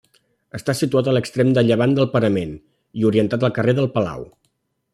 Està situat a l'extrem de llevant del parament, i orientat al carrer del Palau.